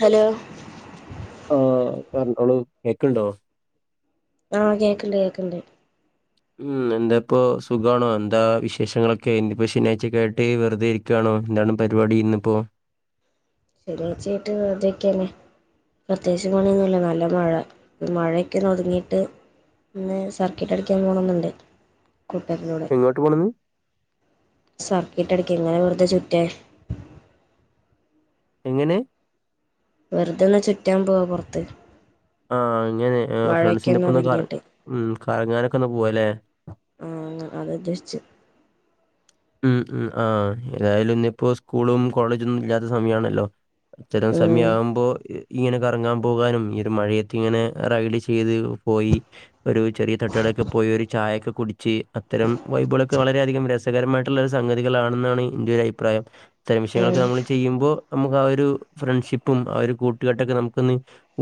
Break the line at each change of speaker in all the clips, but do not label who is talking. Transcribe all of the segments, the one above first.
Hello
ആ പറഞ്ഞോളൂ കേക്കുണ്ടോ?
ആഹ് കേക്കണ്ട് കേൾക്കണ്ട്.
ഉം എന്താപ്പോ സുഖമാണോ. എന്താ വിശേഷങ്ങളൊക്കെ, ഇന്നിപ്പോ ശനിയാഴ്ചക്ക ആയിട്ട് വെറുതെ ഇരി ക്കാണോ എന്താണ് പരിപാടി ഇന്ന്‌ ഇപ്പോ?
[unintelligible] പ്രത്യേശിച്ച് [unintelligible] നല്ല മഴ. മഴയൊക്കെ ഒതുങ്ങിയിട്ട് ഇന്ന് സർക്കിട്ട് അടിക്കാൻ പോണുന്നുണ്ട്. കുട്ടാരുടെ കൂടെ
എങ്ങോട്ട് പോണെന്ന്
സർക്കിട്ടടിക്കാൻ ഇങ്ങനെ വെറുതെ ചുറ്റാൻ.
എങ്ങനെ
വെറുതോന്ന്‌ ചുറ്റാൻ പോവാ പുറത്ത്.
ആ അങ്ങനെ ഫ്രണ്ട്സിന്റെറെ ഇപ്പൊ ഒന്ന്
ഒതുങ്ങിയിട്ട്
ഉ കറങ്ങാനൊക്കെ ഒന്ന് പോവ അല്ലേ
ആഹ് അത ഉദ്ദേശച്ച്
ഉം ഉം ആ ഏതായാലും ഇന്നിപ്പോ സ്കൂളും കോളേജൊ ഒന്നും ഇല്ലാത്ത സമയമാണല്ലോ അത്തരം
ഉം
സമയം ആവുമ്പോ ഇങ്ങനെ കറങ്ങാൻ പോകാനും ഈ ഒരു മഴയത്ത് ഇങ്ങനെ റൈഡ് ചെയ്ത് പോയി ഒരു ചെറിയ തട്ടുകടൊക്കെ പോയി ഒരു ചായയൊക്കെ കുടിച്ച് അത്തരം വൈബ്ളൊക്കെ വളരെയധികം രസകരമായിട്ട് സംഗതികളാണെന്നാണ് എന്റെ ഒരു അഭിപ്രായം ഇത്തരം
ഉം
വിഷയങ്ങളൊക്കെ നമ്മൾ ചെയ്യുമ്പോൾ നമുക്ക് ആ ഒരു ഫ്രണ്ട്ഷിപ്പും ആ ഒരു കൂട്ടുകാട്ടൊക്കെ നമുക്കൊന്ന്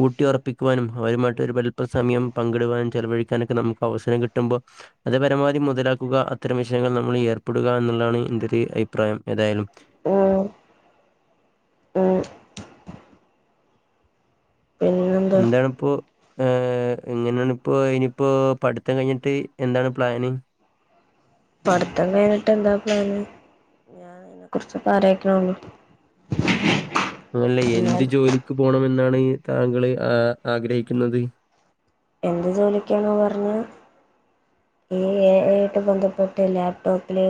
ഊട്ടിയ ഉറപ്പിക്കുവാനും അവരുമായിട്ട് ഒരു വലിപ്പസമയം പങ്കിടുവാനും ചെലവഴിക്കാനൊക്കെ നമുക്ക് അവസരം കിട്ടുമ്പോൾ അത് പരമാവധി മുതലാക്കുക അത്തരം വിഷയങ്ങൾ നമ്മൾ ഏർപ്പെടുക എന്നുള്ളതാണ് എന്റെ ഒരു അഭിപ്രായം ഏതായാലും
മ് മ് പിന്നെന്താ
എന്തണിപ്പോ ഹ് എങ്ങനെയണപ്പോ ഇനിയിപ്പോ പഠിത്തം കഴിഞ്ഞിട്ട് എന്താണ് പ്ലാന്?
പഠത്തം കഴിഞ്ഞിട്ട് എന്താ പ്ലാന് ഞാൻ അതിനെ കുറിചൊക്കെ ആലോചിക്കണുള്ളൂ
അല്ലേ എന്ത് ജോലിക്ക് പോണമെന്നാണ് താങ്കള് ആ ആഗ്രഹിക്കുന്നത്
എന്ത് ജോലിക്കാണ് പറഞ്ഞ ഈ എ ഐ ആയി ബന്ധപ്പെട്ട് ലാപ്ടോപ്പില്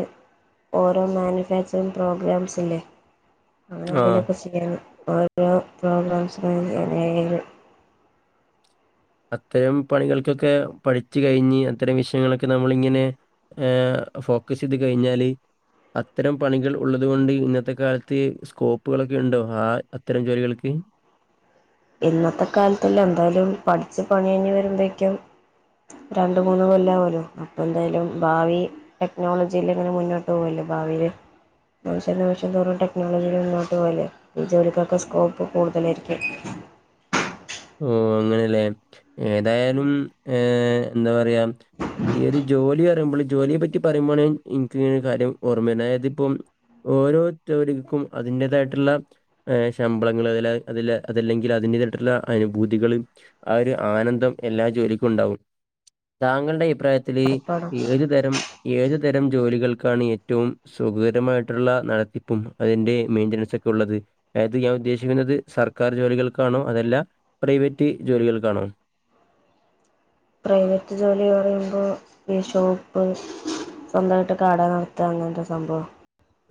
ഓരോ മാനുഫാക്ചറിങ് പ്രോഗ്രാംസ് ഇല്ലേ
ആ
ആനങ്ങനന്തേലൊക്കെ ചെയ്യുണം ഓരോ പ്രോഗ്രാംസൊക്കെ അങ്ങനെ ചെയ്യണം എ ഐ
അത്തരം പണികൾക്കൊക്കെ പഠിച്ചു കഴിഞ്ഞ് അത്തരം വിഷയങ്ങളൊക്കെ നമ്മളിങ്ങനെ ഏഹ് ഫോക്കസ് ചെയ്ത് കഴിഞ്ഞാല് അത്തരം പണികൾ ഉള്ളത്കൊണ്ട് ഇന്നത്തെ കാലത്ത് സ്കോപ്പുകളൊക്കെണ്ടോ ആ അത്തരം ജോലികൾക്ക്
ഇന്നത്തെ കാലത്തി എന്താലും പഠിച്ചു പണികഴിഞ്ഞ് വരുമ്പോഴേക്കും രണ്ട് മൂന്ന് കൊല്ലാ ആവൂലോ അപ്പ എന്തായാലും ഭാവി ടെക്നോളജിയിൽ ഇങ്ങനെ മുന്നോട്ട് പോകല്ലോ ഭാവിയില് നിമിഷം നിമിഷം തോറും ടെക്നോളജിയിൽ മുന്നോട്ട് പോവല്ലെ ജോലിക്കൊക്ക സ്കോപ്പ് കൂടുതലായിരിക്കും
ഓ അങ്ങനെല്ലേ ഏതായാലും ഏ എന്താ പറ പറയാ ഈ ഒരു ജോലി പറയുമ്പോൾ ജോലിയെ പറ്റി പറയ്പോ ആണ് എനക്ക്ങ്ങന ഒരു കാര്യം ഓർമ്മ വന്ന അതായത് ഇപ്പം ഓരോതോരുക്കും അതിന്റേതായിട്ടുള്ള ശമ്പളങ്ങൾ അ അതി അതല്ലെങ്കിൽ അതിൻന്റേതായിട്ടുള്ള അനുഭൂതികളും ആ ഒരു ആനന്ദം എല്ലാ ജോലിക്കും ഉണ്ടാവും താങ്കളുടെ അഭിപ്രായത്തി ഇതിൽ
ഉറപ്പാണ്
ഏത് തരം ഏത് തരം ജോലികൾക്കാണ് ഏറ്റവും സുഖകരമായിട്ടുള്ള നടത്തിപ്പും അതിൻ്റെ മെയിൻ്റനൻസൊക്കെ ഉള്ളത് അതായത് ഞാൻ ഉദ്ദേശിക്കുന്നത് സർക്കാർ ജോലികൾക്കാണോ അതല്ല പ്രൈവറ്റ് ജോലികൾക്കാണോ?
പ്രൈവറ്റ് ജോലി പറയുമ്പോൾ ഈ ഷോപ്പ് സ്വന്തായിട്ട് കടാ നടത്ത അങ്ങനത്തെ സംഭവം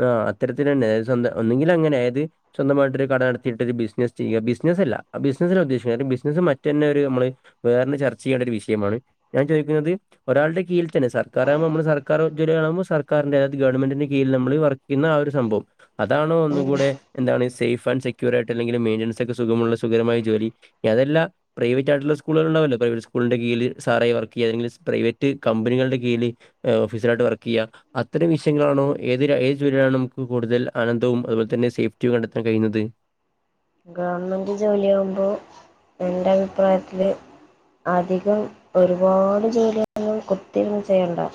ആ അത്തരത്തി തന്നെ അത് സ്വന്തം ഒന്നെങ്കില അങ്ങനെ അതായത് സ്വന്തമായിട്ടൊരു കട നടത്തിയിട്ട് ബിസിനസ് ചെയ്യാ ബിസിനസ് അല്ല ബിസിനസിന് ഉദ്ദേശിക്കുന്നത് ബിസിനസ് മറ്റ തന്നെ ഒരു നമ്മള് വേറെന്ന ചർച്ച ചെയ്യേണ്ട ഒരു വിഷയമാണ് ഞാൻ ചോദിക്കുന്നത് ഒരാള കീൽ തന്നെ സർക്കാരാകുമോ നമ്മ സക്കാർ ജോലി ആകുമ്പോ സക്കാരിന്റെ അതത് ഗവൺമെന്റിന്റെ കീഴ നമ്മ നമ്മ വർക്കുന്ന ആ ഒരു സംഭവം അതാണ് ഒന്നുകൂടെ എന്താണ് സേഫ് ആൻറ് സെക്യൂർ ആയിട്ട് അല്ലെങ്കിൽ മെന്റനൻസ് ഒക്കെ സുഖമുള്ള സുഖകരമായ്ട്ട്ള്ള ജോലി അതല്ലാം പ്രൈവറ്റ് ആയിട്ടുള്ള സ്കൂളുകൾ ഉണ്ടാവല്ലോ പ്രൈവറ്റ് സ്കൂളിന്റെ കീഴിൽ സാറായി വർക്ക് ചെയ്യുക അല്ലെങ്കിൽ പ്രൈവറ്റ് കമ്പനികളുടെ കീഴില് ഓഫീസിറായിട്ട് വർക്ക് ചെയ്യാ അത്തരം വിഷയങ്ങളാണോ? ഏത് ഏത് ജോലിയിലാണ് നമുക്ക് കൂടുതൽ ആനന്ദവും അതുപോലന്നെ സേഫ്റ്റിയും കണ്ടെത്താൻ കഴിയുന്നത്
ഗവണ്മെന്റ് ജോലി ആകുമ്പോൾ എന്റെ അഭിപ്രായത്തില് അധികം ഒരുപാട് ജോലിയൊന്നും കുത്തിരുന്ന് ചെയ്യണ്ട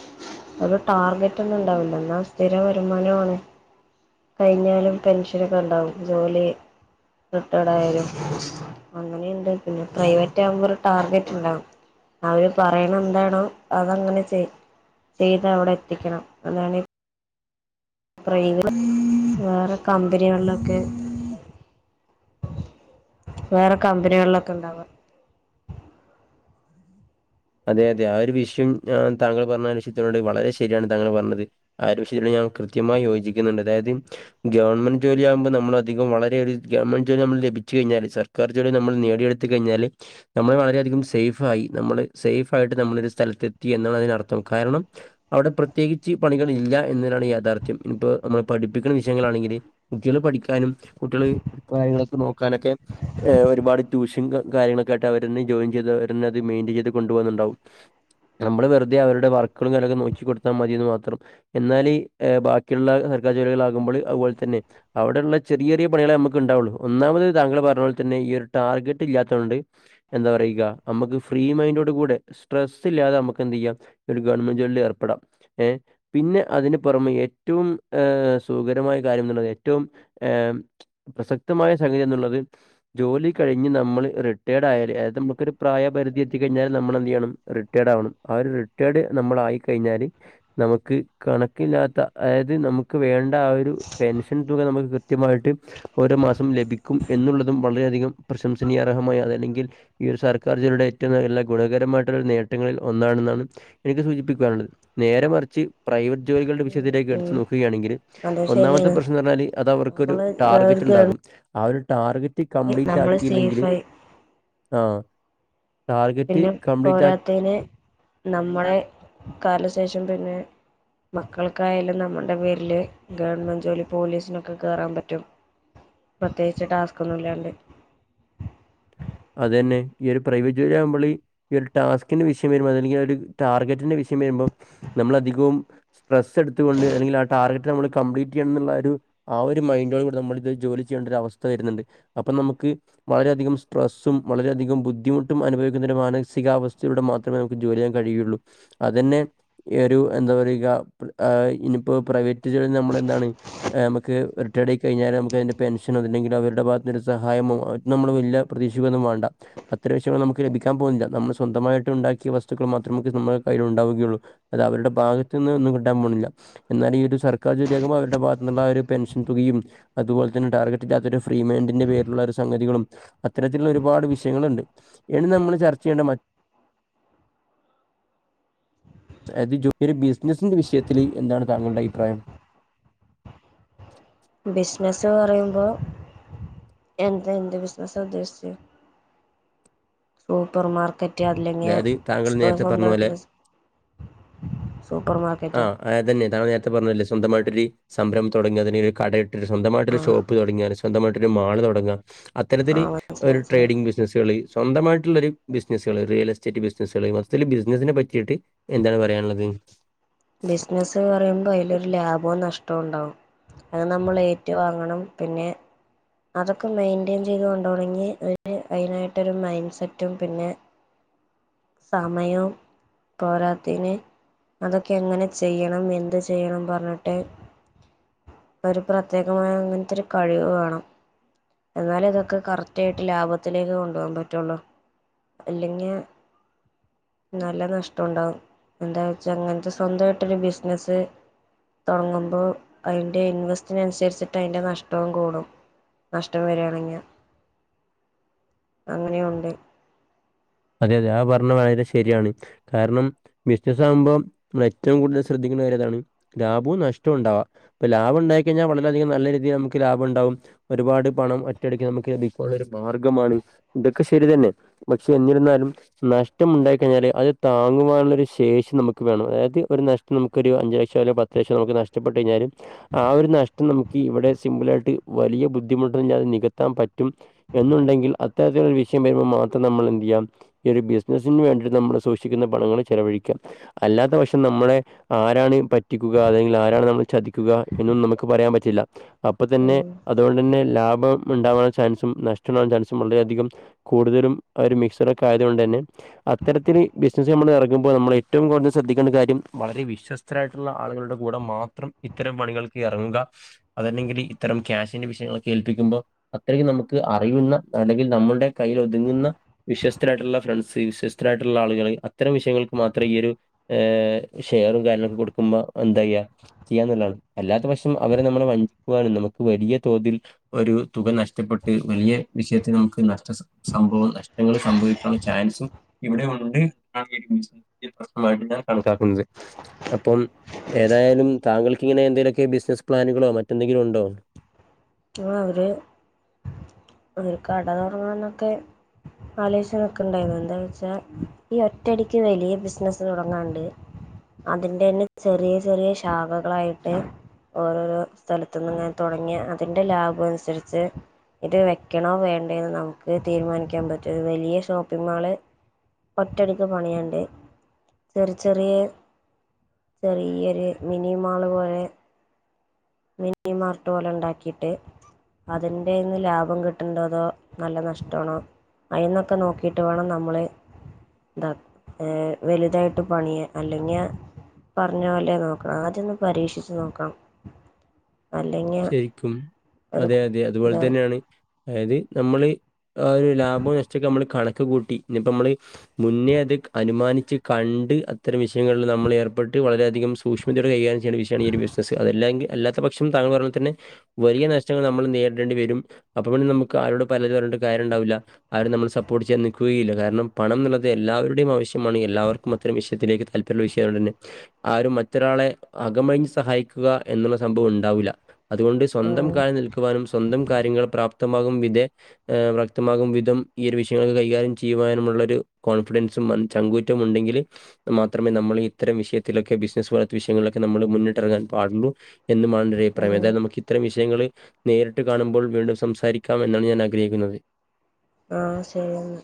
ഒരു ടാർഗറ്റൊന്നും ഉണ്ടാവില്ല എന്നാൽ സ്ഥിര വരുമാനമാണ് കഴിഞ്ഞാലും പെൻഷനൊക്കെണ്ടാവും ജോലി റിട്ടേഡ്ആയാലും അങ്ങനെയുണ്ട് പിന്നെ പ്രൈവറ്റ് ആവുമ്പോ ഒരു ടാർഗറ്റ് ഉണ്ടാകും അവര് പറയണ എന്താണോ അതങ്ങനെ ചെയ ചെയ്ത് അവിടെ എത്തിക്കണം അതാണ് പ്രൈവറ്റ് വേറെ കമ്പനികളിലൊക്കെ വേറെ കമ്പനികളിലൊക്കെ ഉണ്ടാവ
അതെ അതെ ആ ഒരു വിഷയം താങ്കൾ പറഞ്ഞ ആ വിശയത്തോട് വളരെ ശരിയാണ് താങ്കൾ പറഞ്ഞത്. ആര വിശയത്തിനോട് ഞാൾ കൃത്യമായി യോജിക്കുന്നുണ്ട് അതായത്, ഗവൺമെന്റ് ജോലിആകുമ്പോൾ നമ്മൾ അധികം വളരെ അധികം ഒരു ഗവൺെറ് ജോലി നമ്മൾലഭിച്ച് കഴിഞ്ഞാല് സർ സർക്കാർ ജോലിനമ്മൾ നേടിയെടുത്ത കഴിഞ്ഞാൽ നമ്മളെ വളരെയധികം സേയ്ഫായി നമ്മൾ സേഫ് ആയിട്ട് നമ്മളൊരു സ്ഥലത്ത് എത്തി എന്നാണ് അതിനർത്ഥം കാരണം അവിടെ പ്രത്യേകിച്ച് പണികൾ ഇല്ല എന്നതിലാണ് യാഥാർത്ഥ്യം ഇപ്പോ നമ്മൾ പഠിപ്പിക്കുന്ന വിഷയങ്ങളാണെങ്കിൽ, കുട്ടികള് പഠിക്കാനും കുട്ട്യാള് കാര്യങ്ങളൊക്കെ നോക്കാനൊക്കെ, ഏ് ഒരുപാട് ട്യൂഷൻ കാര്യങ്ങളൊക്ക ആയിട്ട് അവരെന്നെജോയിൻ ചെയ്ത് അവരെന്നെ മെയിൻറ്റയിൻ ചെയ്ത് കൊണ്ടു പോകുന്നുന്നുണ്ടാവും നമ്മൾ വെറുതെ അവരുടെ വർക്കുകളും കാര്യങ്ങളൊക്കെ നോക്കി കൊടുത്താൽ മതിയെന്ന് മാത്രം എന്നാല് ബാക്കിയുള്ള സർക്കാർ ജോലികളാകുമ്പോൾ അതുപോലെ തന്നെ അവിടെഉള്ള ചെറിയ ചെറിയ പണികളൊക്കെ നമുക്ക് ഉണ്ടാവുള്ളു ഒന്നാമത് താങ്കൾ പറഞ്ഞ പോലെ തന്നെ ഈ ഒരു ടാർഗറ്റ് ഇല്ലാത്തോണ്ട് എന്താ പറയുക നമുക്ക് ഫ്രീ മൈൻഡോ സ്ട്രെസ് ഇല്ലാതെ നമുക്ക് എന്ത് ചെയ്യാം ഒരു ഗവൺമെന്റ് ജോബിൽ ഏർപ്പെടാം ഏ പിന്നെ അതിന് പുറമേ ഏറ്റവും ഏഹ് സുഖകരമായ കാര്യം ഏറ്റവും ഏ പ്രസക്തമായ സംഗതി എന്നുള്ളത് ജോലി കഴിഞ് നമ്മൾ റിട്ടേർഡ്ആയാല് അതായത് നമുക്കൊരു പ്രായപരിധി എത്തിക്കഴിഞ്ഞാൽ നമ്മളെന്ത് ചെയ്യണം റിട്ടേഡ് ആവണം ആ ഒരു റിട്ടേഡ് നമ്മളായി കഴിഞ്ഞാല് നമുക്ക് കണക്കില്ലാത്ത അതായത് നമുക്ക് വേണ്ട ആ ഒരു പെൻഷൻ തുക നമുക്ക് കൃത്യമായിട്ട് ഓരോ മാസം ലഭിക്കും എന്നുള്ളതും വളരെയധികം പ്രശംസനീയർഹമായ അതല്ലെ അല്ലെങ്കിൽ ഈ ഒരു സർക്കാർ ജോലിയുടെ ഏറ്റവും നല്ലാ ഗുണകരമായിട്ടുള്ള നേട്ടങ്ങളിൽ ഒന്നാണെന്നാണ് എനിക്ക് സൂചിപ്പിക്കാനുള്ളത് നേരമറിച്ച് പ്രൈവറ്റ് ജോലികളുടെ
ഉം
വിഷയത്തിലേക്ക് എടുത്തു
ഉം
നോക്കുകയാണെങ്കിൽ
അത്
ഒന്നാമത്തെ
ശരിയാണ്
പ്രശ്നംന്ന് പറഞ്ഞാല് അത് അവർക്കൊരു
നമ്മള് ഗവ
ടാർഗറ്റ് ഉണ്ടാകും ആ ഒരു ടാർഗറ്റ് ടാർഗറ്റ്
ഗവൺമെന്റ് നമ്മള്
കംബീംറ്റ്ല്ലെങ്ക
സേഫായി
ആ
പിന്നെ
കംപ്ലീറ്റ്
പോരാത്തന് നമ്മളെ കാലശേഷം പിന്നെ മക്കൾക്കായാലും നമ്മുടെ പേരില് ഗവൺമെന്റ് ജോലി പോലീസിനൊക്കെ കേറാൻ പറ്റും പ്രത്യേകിച്ച് ടാസ്കൊന്നുംഇല്ലാണ്ട്
അതെന്നെ ഈ ഒരു പ്രൈവറ്റ് ജോലി ആവുമ്പോളി ഈ ഒരു ടാസ്കിന്റെ വിഷയം വരുമ്പോ അല്ലെങ്കിൽ ഒരു ടാർഗറ്റിന്റെ വിഷയം വരുമ്പോ നമ്മൾ അധികവും സ്ട്രസ് എടുത്തുകൊണ്ട് അല്ലെങ്കിൽ ആ ടാർഗറ്റ് നമ്മൾ കംപ്ലീറ്റ് ചെയ്യണം എന്നു ള്ളത് ഒരു ആ ഒരു മൈൻഡോട് കൂടെ നമ്മൾക്ക് ജോലി ചെയ്യേണ്ട ഒരു അവസ്ഥ വരുന്നുണ്ട് അപ്പൊ നമുക്ക് വളരെയധികം സ്ട്രെസ്സും വളരെയധികം ബുദ്ധിമുട്ടുംഅനുഭവിക്കുന്ന മാനികാവസ്ഥയിലൂടെ മാത്രമേ നമുക്ക് ജോലി ചെയ്യാൻ കയിയുകയുള്ളൂ അതന്നെ ഒരു എന്താ പറയുക ഇനിപ്പോ പ്രൈവറ്റ് നമ്മൾ എന്താണ് നമുക്ക് റിട്ടയേഡ് ആയി കഴിഞ്ഞാൽ നമുക്ക് അതി്റെ പെൻഷനോ അല്ലെങ്കിലും അവരുടെ ഭാഗത്തിന്നൊരു സഹായമോ നമ്മളൾ ഇല്ല പ്രതീക്ഷിക്കൊന്നും വേണ്ട അത്ര വിഷയൾ നമുക്ക് ലഭിക്കാൻ പോകുന്നില്ല നമ്മൾ സ്വന്തമായിട്ട് ഉണ്ടാക്കിയ വസ്തുക്കൾ മാത്രമേ നമ്മുടെ കയ്യിൽ ഉണ്ടാവുകയുള്ളൂ അത അവരുടെ ഭാഗത്തുന്നും ഒന്നും കിട്ടാൻ പോണില്ല എന്നാൽ ഈ ഒരു സർക്കാർ ജോലിയാകുബോ അവരുടെ ഭാഗത്തു നിന്നുള്ള ആ ഒരു പെൻഷൻ തുകയും അതുപോലെ തന്നെ ടാർഗറ്റ് ഇല്ലാത്ത ഒരു ഫ്രീ മൈൻഡിന്റെ പേരിലുള്ള ഒരു സംഗതികളും അത്തരത്തിലുള്ള ഒരുപാട് വിഷയങ്ങളുണ്ട് ഇനി നമ്മൾ ചർച്ച ചെയ്യേണ്ട അതായത് ജോലി ഒരു ബിസിനസ്സിന്റെ വിഷയത്തിൽ എന്താണ് താങ്കളുടെ അഭിപ്രായം
ബിസിനസ്സ് പറയുമ്പോൾ എന്താ എന്ത് ബിസിനസാ ഉദ്ദേശിച്ചത് സൂപ്പർ മാർക്കറ്റ് അല്ലെങ്ങ
അതായത് താങ്കൾ നേരത്തെ പറഞ്ഞ പോലെ
സ്വന്തമായിട്ടൊരു സൂപ്പർ
ആ
മാർക്കറ്റൊ
അതന്നെ താൻ നേരത്തെ പറഞ്ഞല്ലേ സ്വന്തമായിട്ടൊരു സംരംഭം തുടങ്ങി അതിനൊരു കടയിട്ട് സ്വന്തമായിട്ടൊരു
ആഹ്
ഷോപ്പ് തുടങ്ങ സ്വന്തമായിട്ടരു മാൾ തുടങ്ങ അത്തരത്തിൽ
ആഹ് മനസ്സിലായി
ഒരു
മനസ്സിലായി
ട്രേഡിങ്‌ ബിസിനസ്കള് സ്വന്തമായിട്ടുള്ള ഒരു ബിസിനസുകള് റിയൽ എസ്റ്റേറ്റ് ബിസിനസ്കള് മൊത്തത്തിത്തില് ബിസിനസിനെ പറ്റിയിട്ട് എന്താണ് പറയാനുള്ളത്?
ബിസിനസ് എന്ന് പറയുമ്പോൾ അതിലൊരു ലാഭവും നഷ്ടവും ഉണ്ടാകും അത് നമ്മൾ ഏറ്റുവാാങ്ങണം പിന്നെ അതൊക്കെ മെയിന്റെയിൻ ചെയ്ത് കൊണ്ടോണോങ്കി അതിനായിട്ടൊരു മൈൻഡ് സെറ്റും പിന്നെ സമയവും പോരാത്തിന് അതൊക്കെ എങ്ങനെ ചെയ്യണം എന്ത് ചെയ്യണം പറഞ്ഞിട്ട് ഒരു പ്രത്യേകമായ അങ്ങനത്തെൊരു കഴിവ് വേണം എന്നാല ഇതൊക്കെ കറക്റ്റ് ആയിട്ട് ലാഭത്തിലേക്ക് കൊണ്ടു പോകാൻ പറ്റുള്ളൂ അല്ലെങ്കി നല്ല നഷ്ട്ടണ്ടാവും എന്താ വെച്ചാ അങ്ങനത്തെ സ്വന്തമായിട്ടരു ബിസിനസ്സ് തുടങ്ങുമ്പോൾ അതിൻ്റെ ഇൻവെസ്റ്റിനനുസരിച്ചിട്ട് അതിൻ്റെ നഷ്ടവും കൂടും. നഷ്ടം വരികയാണെങ അങ്ങനെയുണ്ട്
അതെ അതെ ആ പറഞ്ഞ ഭണങ്കര ശരിയാണ് കാരണം ബിസിനസ്സ് ആകുമ്പം ഏറ്റവും കൂടുതൽ ശ്രദ്ധിക്കണ്ട കാര്യമിതാണ് ലാഭവും നഷ്ടവും ഉണ്ടാവാം. അപ്പ ലാഭം ഉണ്ടായി കഴിഞ്ഞാൽ വളരെയധികം നല്ല രീതിയിൽ നമുക്ക് ലാഭം ഉണ്ടാവും ഒരുപാട് പണം ഒറ്റയടിക്ക് നമുക്ക് ലഭിക്കാനുള്ള ഒരു മാർഗ്ഗമാണ് ഇതൊക്കെ ശരി തന്നെ പക്ഷെ എന്നിരുന്നാലും നഷ്ടം ഉണ്ടായി കഴിഞ്ഞാൽ അത് താങ്ങുവാനുള്ള ഒരു ശേഷി നമുക്ക് വേണം അതായത് ഒരു നഷ് നമുക്കൊരു അഞ്ച് ലക്ഷം അല്ലെ പത്ത് ലക്ഷം നമുക്ക് നഷ്ടപ്പെട്ട് കഴിഞ്ഞാലും ആ ഒരു നഷ്ടം നമുക്ക് ഇവിടെ സിമ്പിളായിട്ട് വലിയ ബുദ്ധിമുട്ട്‌ല്ല്യാതെ നികത്താൻ പറ്റും എന്നുണ്ടെങ്കിൽ അത്തരത്തിൽ വിഷയം വരുമ്പോ മാത്രം നമ്മൾ ഈ ഒരു ബിസിനസിന് വേണ്ടിട്ട് നമ്മൾ സൂക്ഷിക്കുന്ന പണങ്ങൾ ചെലവഴിക്കാം അല്ലാത്ത പക്ഷം നമ്മളെ ആരാണ് പ റ്റിക്കുക അല്ലെങ്കിൽ ആരാണ് നമ്മൾ ചതിക്കുക എന്നൊന്നും നമുക്ക് പറയാൻ പറ്റില്ല അപ്പൊ തന്നെ
ഉം
അതുകൊണ്ടു തന്നെ ലാഭം ഉണ്ടാവുന്ന ചാൻസും നഷ്ട ചാൻസ് മുണ്ട് അധികം കൂടുതലും ഒരു മിക്സർ ഒക്കെ ആയതുകൊണ്ട് തന്നെ. അത്തരത്തില് ബിസിനസ് നമ്മൾ എറങ്ങുമ്പോ നമ്മൾ ഏറ്റവും കൂടുതൽ ശ്രദ്ധിക്കേണ്ട കര്യം വളരെ വിശ്വസ് ഇത്രരായിട്ടുള്ള ആളുകളുടെ കൂടെ മാത്രം ഇത്തരം പണികൾക്ക് ഇറങ്ങുക അതല്ലെങ്കിൽ ഇത്തരം ക്യാഷിന്റെ വിഷയങ്ങൾ കേൽപ്പിക്കുമ്പോ അത്രയ്ക്ക് നമുക്ക് അറിയുന്ന അല്ലെങ്കിൽ നമ്മുടെ കയ്യിൽ ഒതുങ്ങുന്ന വിശ്വസ്തരായിട്ടുള്ള ഫ്രണ്ട്സ്, വിശ്വസ്തരായിട്ടുള്ള ആളുകൾ അത്തരം വിഷയങ്ങൾക്ക് മാത്രേ ഈ ഒരു ഏ ഷെയറും കാര്യങ്ങളൊക്കെ കൊടുക്കുമ്പോ എന്താ ചെയ്യാ? ചെയ്യാന്നുള്ളാണ് അല്ലാത്ത പക്ഷം അവരെ നമ്മൾ വഞ്ചിക്കുവാനും നമുക്ക് വലിയ തോതിൽ ഒരു തുക നഷ്ടപ്പെട്ട് വലിയ വിഷയത്തിൽ നമുക്ക് നഷ്ട സ സംഭവം നഷ് നിങ്ങൾ സംഭവിക്കാള്ളെ ചാൻസും ഇവിടെ ഉണ്ട്. [unintelligible] പ്രശ്നമായിട്ട് ഞൻ കണക്കാക്കുന്നത് അപ്പം ഏതായാലും താങ്കൾ ഇങ്ങനെന്തെക്കെ ബിസിനസ് പ്ലാനുകളോ മറ്റെന്തങ്കിലും ഉണ്ടോ?
ആ ഒര് ഒര് കട ന്നൊക്കെ ആലോയിച്നോക്ക്ണ്ടായിരുന്നു എന്താ വെച്ചാ ഈ ഒറ്റടിക്ക് വലിയ ബിസിനസ് തുടങ്ങാണ്ട്. അതിന്റെ തന്നെ ചെറിയ ചെറിയ ശാഖകളായിട്ട് ഓരോരോ സ്ഥലത്തുന്നും ങ്ങ തുടങ്ങ്യ അതിന്റെ ലാഭം അനുസരിച്ച് ഇത് വെക്കണോ വേണ്ടന്ന് നമുക്ക് തീരുമാനിക്കാൻ പറ്റൂ. വലിയ ഷോപ്പിംഗ് മാൾ ഒറ്റടിക്ക് പണിയണ്ട് ചെറി ചെറിയ ചെറിയൊരു മിനി മാൾ പോലെ മാർട്ട് പോലെ ഉണ്ടാക്കിയിട്ട് അതിന്റെന്ന് ലാഭം കിട്ട്ണ്ടോ അതോ നല്ല നഷ്ടാണോ? അയിന്നൊക്കെ നോക്കിട്ട് വേണം നമ്മൾ ഇതാ ഏഹ് വലുതായിട്ട് പണിയ അല്ലെങ്കിൽ പറഞ്ഞ പോലെ നോക്കാ ആദ്യ ന്ന് പരീക്ഷിച്ച് നോക്കാ.
ശരിക്കും
ഒരു
അതെ അതെ അതുപോലെ
ഇതാവും
തന്നെയാണ് അതായത് നമ്മള് ആ ഒരു ലാഭം നഷ്ടക്കെ നമ്മള് കണക്ക് കൂട്ടി ഇനിപ്പോൾ നമ്മൾ മുന്നേ അത് അനുമാനിച്ച് കണ്ട് അത്തരം വിഷയങ്ങളിൽ നമ്മൾ ഏർപ്പെട്ട് വളരെയധികം സു സൂക്ഷ്മതയുടെ കൈകാര്യം ചെയേണ്ട വിഷയാണ് ഈ ഒരു ബിസിനസ്. അതല്ലാങ്കി അല്ലാത്ത പക്ഷം താങ്കൾ പർ തന്നെ വലിയ നഷ്ടങ്ങൾ നമ്മൾ നേരിടേണ്ടി വരും. അപ്പൊ പിന്നെ നമുക്ക് ആരോട് പരാതി പറഞ്ഞിട്ട് കാര്യം ഉണ്ടാവില്ല. ആരും നമ്മൾ സപ്പോർട്ട് ചെയ്യാൻ നിൽക്കുകയില്ല കാരണം പണം എന്നുള്ളത് എല്ലാവരുടെയും ആവശ്യമാണ് എല്ലാവർ മത്തരം വിഷയത്തിലേക്ക് താല്പര്യ വിഷയാണന്നെ ആരും മറ്റൊരാളെ അകമഴിഞ്ഞ് സഹായിക്കുക എന്നുള്ള സംഭവം ഉണ്ടാവുല്ല അതുകൊണ്ട് സ്വന്തം
ഉം
കാൽ നിൽക്കുവാനും സ്വന്തം കാര്യങ്ങൾ പ്രാപ്തമാകും വിധേ ഏ വ്യക്തമാകും വിധം ഈ ഒരു വിഷയങ്ങൾക്ക് കൈകാര്യം ചെയ്യുവാനുമുള്ള ഒരു കോൺഫിഡൻസും മ ചങ്കൂറ്റമുണ്ടെങ്കിൽ മാത്രമേ നമ്മൾ ഇത്തരം വിഷയത്തിലൊക്കെ ബിസിനസ് പോലത്തെ വിഷയങ്ങളൊക്കെ നമ്മൾ മുന്നിട്ടിറങ്ങാൻ പാടുള്ളൂ [unintelligible]
ഉം
പ്രേമേന്ദ്രാ നമുക്ക് ഇത്തരം വിഷയങ്ങള് നേരിട്ട് കാണുമ്പോൾ വീണ്ടും സംസാരിക്കാം എന്നാണ് ഞാൻ ആഗ്രഹിക്കുന്നത്.
ആഹ്ശരി എന്നാ